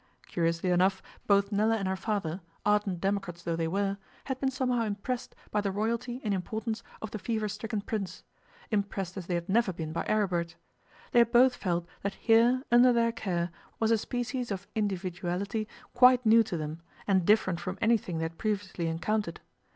Curiously enough, both Nella and her father, ardent democrats though they were, had been somehow impressed by the royalty and importance of the fever stricken Prince impressed as they had never been by Aribert. They had both felt that here, under their care, was a species of individuality quite new to them, and different from anything they had previously encountered.